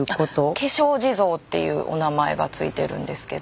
化粧地蔵っていうお名前が付いてるんですけど。